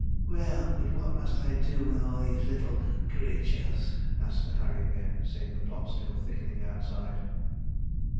'Well, but what must I do with all these little creatures?' asked Sir Harry again, seeing the plot still thickening outside.